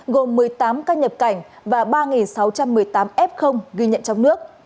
gồm một mươi tám ca nhập cảnh và ba sáu trăm một mươi tám f ghi nhận trong nước